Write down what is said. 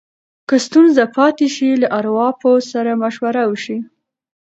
که ستونزه پاتې شي، له ارواپوه سره مشوره وشي.